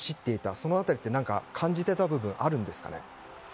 その辺りは何か感じていた部分があるんですか？